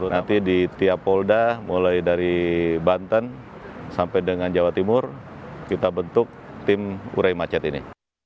nanti di tiap polda mulai dari banten sampai dengan jawa timur kita bentuk tim urai macet ini